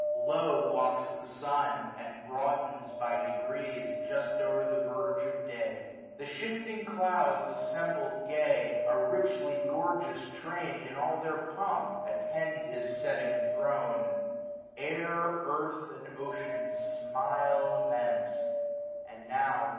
Low walks the sun, and broadens by degrees. Just o'er the verge of day. The shifting clouds 1620 Assembled gay, a richly gorgeous train. In all their pomp attend his setting throne. Air, earth, and ocean smile immense. And now.